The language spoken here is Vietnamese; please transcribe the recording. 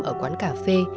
ở quán cà phê